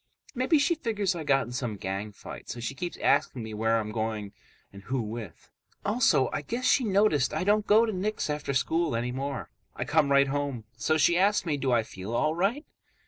Maybe she figures I got in some gang fight, so she keeps asking me where I'm going and who with. Also, I guess she noticed I don't go to Nick's after school anymore. I come right home. So she asks me do I feel all right.